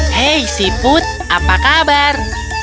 hei siput apa kabar